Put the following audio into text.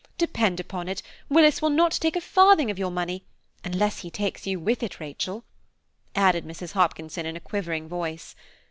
Depend upon it, Willis will not take a farthing of your money, unless he takes you with it, Rachel," added Mrs. Hopkinson in a quivering voice.